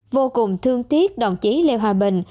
vô cùng thương tiếc đồng chí lê hòa bình